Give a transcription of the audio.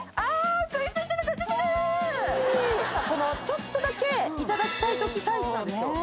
ちょっとだけいただきたいときサイズなんですよ。